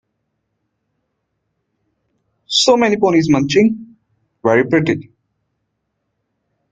So many ponies munching; very pretty!